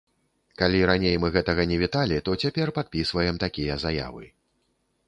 Калі раней мы гэтага не віталі, то цяпер падпісваем такія заявы.